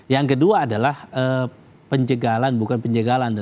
yang kedua adalah penjagalan bukan penjagalan